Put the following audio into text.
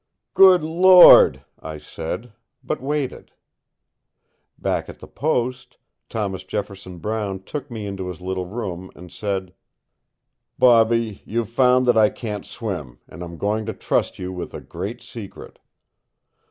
"Good Lord!" I said, but waited. Back at the post, Thomas Jefferson Brown took me into his little room, and said: "Bobby, you've found that I can't swim, and I'm going to trust you with a great secret.